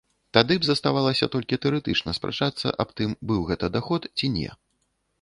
Тады б заставалася толькі тэарэтычна спрачацца аб тым, быў гэта даход ці не.